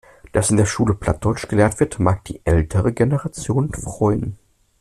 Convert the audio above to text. Dass in der Schule Plattdeutsch gelehrt wird, mag die ältere Generation freuen.